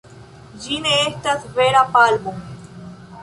Ĝi ne estas vera palmo.